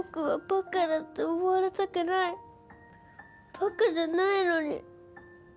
馬鹿じゃないのに。